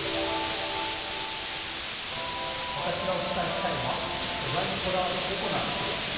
私がお伝えしたいのは素材にこだわるｅｃｏなラップです。